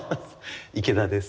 池田です。